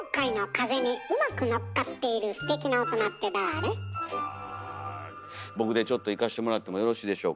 あ僕でちょっといかしてもらってもよろしいでしょうか？